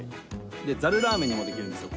ざるラーメンもできるんですよ。